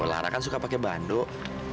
lara kan suka pake banduk